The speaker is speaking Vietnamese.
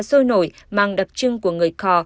sôi nổi mang đặc trưng của người kho